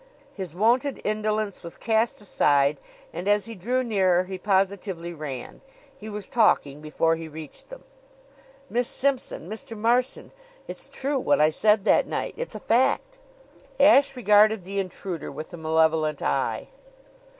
His wonted indolence was cast aside; and as he drew nearer he positively ran. He was talking before he reached them. "Miss Simpson, Mr. Marson, it's true what I said that night. It's a fact!" Ashe regarded the intruder with a malevolent eye.